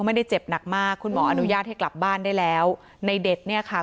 จนใดเจ้าของร้านเบียร์ยิงใส่หลายนัดเลยค่ะ